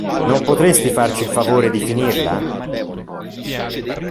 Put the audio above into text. Non potresti farci il favore di finirla?